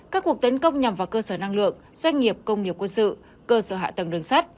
các cuộc tấn công nhằm vào cơ sở năng lượng doanh nghiệp công nghiệp quân sự cơ sở hạ tầng đường sắt